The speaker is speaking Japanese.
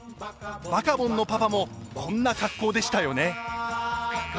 バカボンのパパもこんな格好でしたよね。